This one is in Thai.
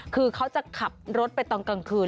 คือเขาจะขับรถไปตอนกลางคืน